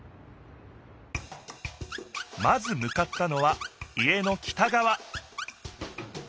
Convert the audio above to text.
まずむかったのは家の北がわ